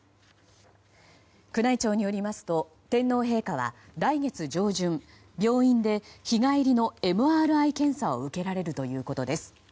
宮内庁によりますと天皇陛下は来月上旬病院で日帰りのＭＲＩ検査を受けられるということです。